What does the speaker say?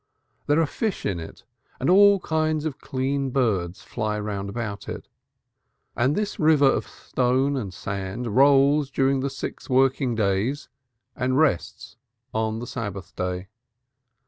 There are fish in it, and all kinds of clean birds fly round it. And this river of stone and sand rolls during the six working days and rests on the Sabbath day.